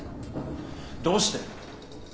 どうして？